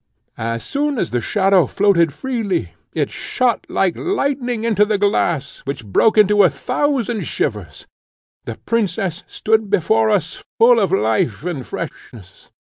As soon as the shadow floated freely, it shot like lightning into the glass, which broke into a thousand shivers. The princess stood before us full of life and freshness.